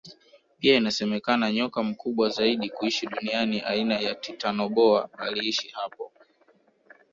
Pia inasemekana nyoka mkubwa zaidi kuishi duniani aina ya titanoboa aliishi hapo